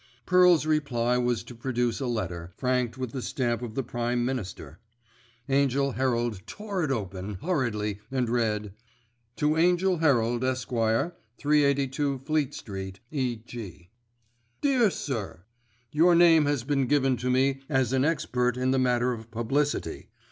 Pearl's reply was to produce a letter, franked with the stamp of the Prime Minister. Angell Herald tore it open, hurriedly, and read:— To Angell Herald, Esq., 382 Fleet Street, E.G. DEAR SIR, Your name has been given to me as an expert in the matter of publicity.